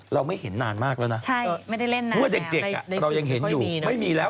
เราไม่เห็นนานมากแล้วนะเพราะว่าเด็กเรายังเห็นอยู่ไม่มีแล้ว